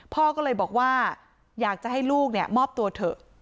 พ่อก็เลยบอกว่าอยากจะให้ลูกมอบตัวเถอะ